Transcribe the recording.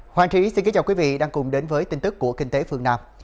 hoàng trí xin kính chào quý vị đang cùng đến với tin tức của kinh tế phương nam